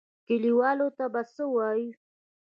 کليوالو ته به څه وايو؟